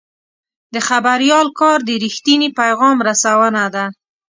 د خبریال کار د رښتیني پیغام رسونه ده.